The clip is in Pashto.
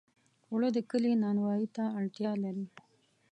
اوړه د کلي نانوایۍ ته اړتیا لري